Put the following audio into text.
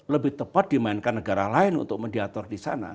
lebih tepat dimainkan negara lain untuk mendiator di sana